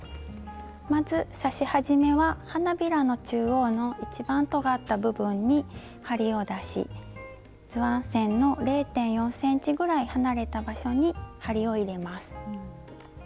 まず刺し始めは花びらの中央の一番とがった部分に針を出し図案線の０．４ｃｍぐらい離れた場所に針を入れます。